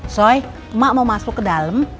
soi mak mau masuk ke dalam